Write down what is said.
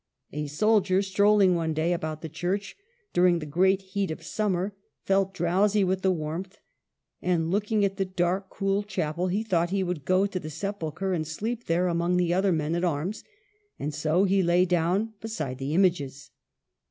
A soldier, strolling one day about the church during the great heat of summer, felt drowsy with the warmth, and looking at the dark, cool chapel, he thought he would go to the sepulchre and sleep there among the other men at arms ; and so he lay down beside the images.